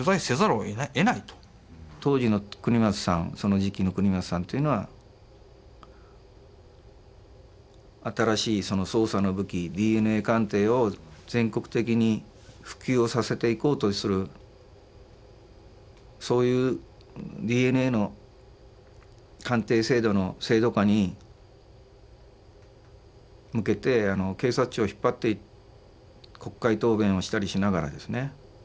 当時の國松さんその時期の國松さんっていうのは新しい捜査の武器ＤＮＡ鑑定を全国的に普及をさせていこうとするそういうＤＮＡの鑑定制度の制度化に向けて警察庁を引っ張って国会答弁をしたりしながらですね